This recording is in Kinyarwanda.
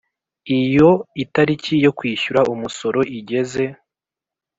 Iyo itariki yo kwishyura umusoro igeze